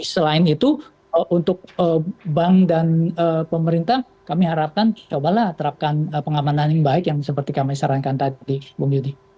selain itu untuk bank dan pemerintah kami harapkan cobalah terapkan pengamanan yang baik yang seperti kami sarankan tadi bung yudi